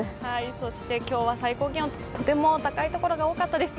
そして今日は最高気温、とても高いところが多かったです。